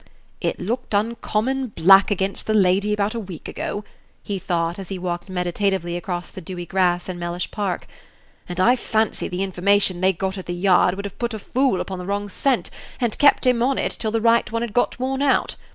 "It looked uncommon black against the lady about a week ago," he thought, as he walked meditatively across the dewy grass in Mellish Park; "and I fancy the information they got at the Yard would have put a fool upon the wrong scent, and kept him on it till the right one got worn out.